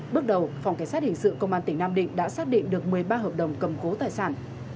bước đầu phòng cảnh sát hình sự công an tỉnh nam định đã xác định được một mươi ba hợp đồng cầm cố tài sản